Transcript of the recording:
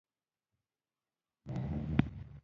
يو بل ټکی، دلته ژوند بې هدفه دی.